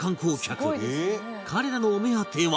彼らのお目当ては